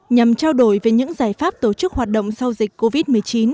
nhằm trao đổi về những giải pháp tổ chức hoạt động sau dịch covid một mươi chín